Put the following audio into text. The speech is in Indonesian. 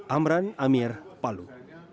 amran amir palu